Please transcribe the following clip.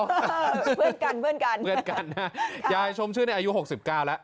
เห็นกันเห็นกันเพื่อนกันข้าชมชื่นอายุหกสิบเก้าแล้ว